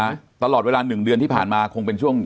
น่าจะเตรียมไว้ก่อนตลอดเวลา๑เดือนที่ผ่านมาคงเป็นช่วง